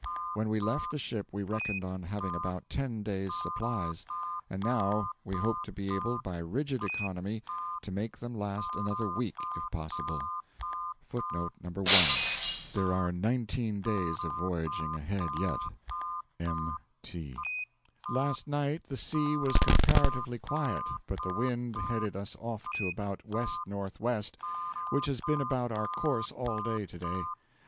When we left the ship we reckoned on having about ten days' supplies, and now we hope to be able, by rigid economy, to make them last another week if possible.(1) Last night the sea was comparatively quiet, but the wind headed us off to about west north west, which has been about our course all day to day.